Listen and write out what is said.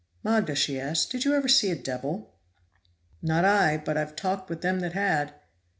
"Magda," she asked, "did you ever see a devil?" "Not I, but I've talked with them that had."